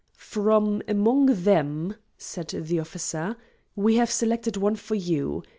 "From among them," said the officer, "we have selected one for you.